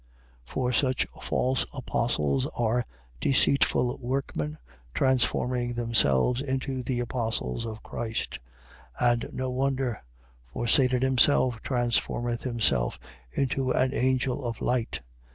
11:13. For such false apostles are deceitful workmen, transforming themselves into the apostles of Christ. 11:14. And no wonder: for Satan himself transformeth himself into an angel of light.